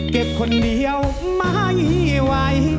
เก็บคนเดียวไม่